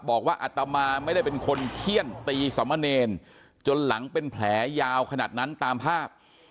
บอกว่าอัตมาไม่ได้เป็นคนเคี่ยนตีสามะเนยจนหลังเป็นแผลยาวขณะนั้นตามภาพ